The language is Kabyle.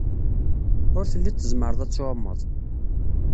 Ur telliḍ tzemreḍ ad tɛumeḍ.